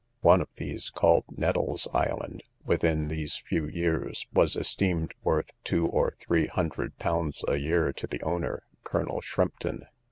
One of these, called Nettle's island, within these few years, was esteemed worth two or three hundred pounds a year to the owner, Colonel Shrimpton.